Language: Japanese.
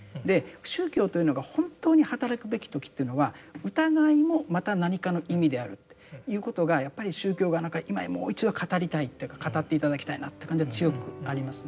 宗教というのが本当に働くべき時というのは疑いもまた何かの意味であるっていうことがやっぱり宗教が今もう一度語りたいっていうか語って頂きたいなって感じは強くありますね。